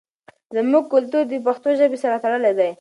زموږ کلتور د پښتو ژبې سره تړلی دی.